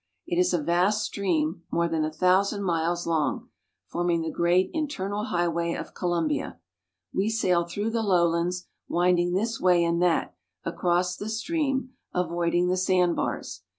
It is a vast stream more than a thousand miles long, forming the great in ternal highway of Colombia. We sail through thelowlands, winding this way and that across the stream, avoiding the sand bars.